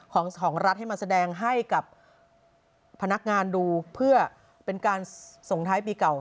ของรัฐให้มาแสดงให้กับพนักงานดูเพื่อเป็นการส่งท้ายปีเก่า